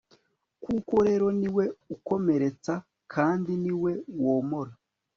koko rero ni we ukomeretsa, kandi ni we womora